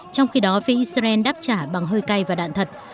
trong khi đó phía israel đáp trả bằng hơi cay và đạn thật